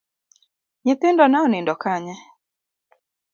Nyithindo ne onindo kanye?